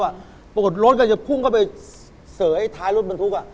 ปรากฏรถก็จะพุ่งเข้าไปเสยท้ายรถบรรทุก